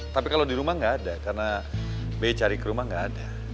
tapi kalo di rumah gak ada karena be cari ke rumah gak ada